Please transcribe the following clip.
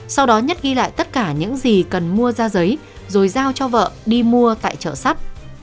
sau đó nhất ghi lại tất cả những gì cần mua ra giấy rồi giao cho vợ đi mua tại chợ sắp